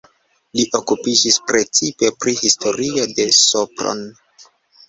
Li okupiĝis precipe pri historio de Sopron.